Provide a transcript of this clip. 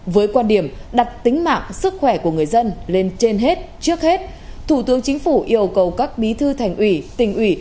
với quan điểm đặt tính mạng sức khỏe của người dân lên trên hết trước hết thủ tướng chính phủ yêu cầu các bí thư thành ủy tỉnh ủy